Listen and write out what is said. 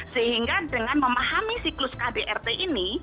sehingga dengan memahami siklus kdrt ini